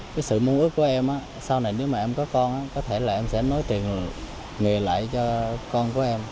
cái sự mong ước của em á sau này nếu mà em có con á có thể là em sẽ nối truyền nghề lại cho con